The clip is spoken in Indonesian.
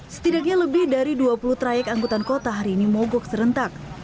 setidaknya lebih dari dua puluh trayek angkutan kota hari ini mogok serentak